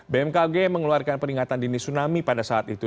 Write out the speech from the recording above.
bmkg mengeluarkan peringatan dini tsunami pada saat itu